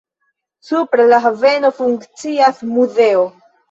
Supre la haveno funkcias muzeo.